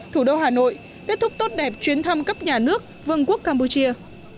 thủ đô hà nội kết thúc tốt đẹp chuyến thăm cấp nhà nước vương quốc campuchia